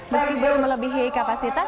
meski belum melebihi kapasitas